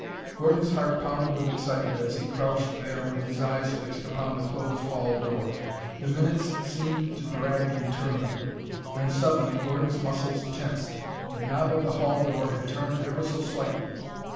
Gordon's heart pounded with excitement as he crouched there with his eyes fixed upon the closed hall door. The minutes seemed to drag interminably. Then suddenly Gordon's muscles tensed. The knob of the hall door had turned ever so slightly.